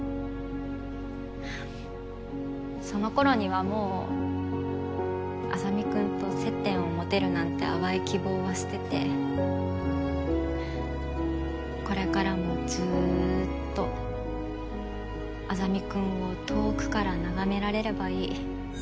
そのころにはもう莇君と接点を持てるなんて淡い希望は捨ててこれからもずっと莇君を遠くから眺められればいい。